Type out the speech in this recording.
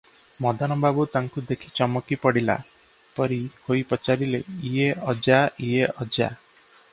ମଦନ ବାବୁ ତାଙ୍କୁ ଦେଖି ଚମକି ପଡ଼ିଲା ପରି ହୋଇ ପଚାରିଲେ, "ଇଏ ଅଜା, ଇଏ ଅଜା!